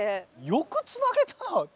よくつなげたな。